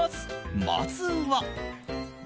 まずは。